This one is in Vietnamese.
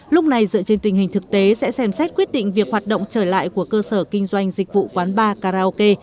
lúc này dựa trên tình hình thực tế sẽ xem xét quyết định việc hoạt động trở lại của cơ sở kinh doanh dịch vụ quán bar karaoke